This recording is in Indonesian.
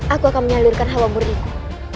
aku akan menyalurkan hawa muridiku